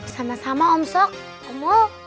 sama sama om sok om mo